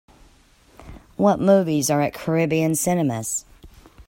What movies are at Caribbean Cinemas